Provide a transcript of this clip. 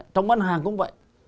trong bán hàng cũng vậy